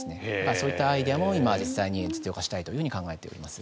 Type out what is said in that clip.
そういったアイデアも今、実用化したいと考えています。